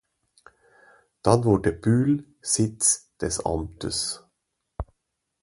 Dann wurde Bühl Sitz des Amtes.